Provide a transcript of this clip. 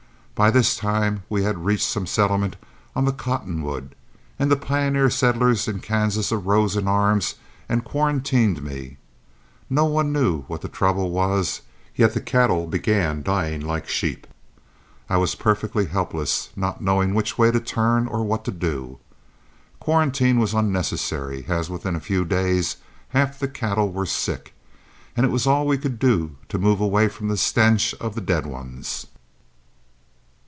By this time we had reached some settlement on the Cottonwood, and the pioneer settlers in Kansas arose in arms and quarantined me. No one knew what the trouble was, yet the cattle began dying like sheep; I was perfectly helpless, not knowing which way to turn or what to do. Quarantine was unnecessary, as within a few days half the cattle were sick, and it was all we could do to move away from the stench of the dead ones.